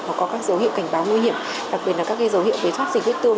hoặc có các dấu hiệu cảnh báo nguy hiểm đặc biệt là các dấu hiệu về thoát dịch huyết tương